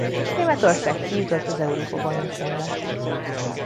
Németország kijutott a Európa-bajnokságra.